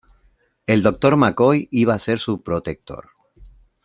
El doctor McCoy iba a ser su protector.